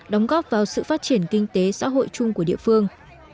đóng góp vào sự phát triển kinh tế xã hội chung của địa phương